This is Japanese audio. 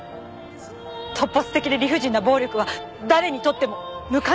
突発的で理不尽な暴力は誰にとっても無関係じゃない。